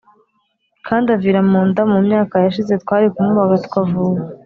kandi avira mu nda Mu myaka yashize twari kumubaga tukavura